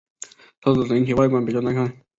车子整体外观比较耐看。